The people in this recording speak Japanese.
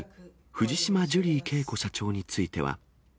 藤島ジュリー景子社長については。